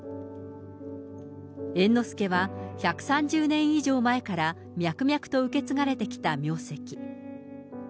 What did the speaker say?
猿之助は１３０年以上前から脈々と受け継がれてきた名跡。